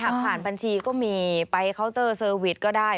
ผ่านบัญชีก็มีไปเคาน์เตอร์เซอร์วิสก็ได้